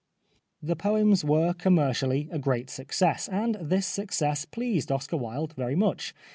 The poems were commercially a great success, and this success pleased Oscar Wilde very much.